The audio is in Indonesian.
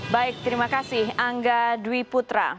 baik terima kasih angga dwi putra